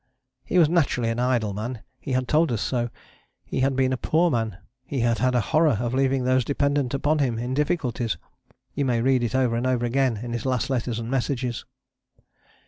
He was naturally an idle man, he has told us so; he had been a poor man, and he had a horror of leaving those dependent upon him in difficulties. You may read it over and over again in his last letters and messages.